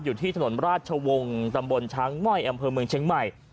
อยู่ที่ถนนราชวงศ์ตำบลช้างม่อยอำเภอเมืองเชียงใหม่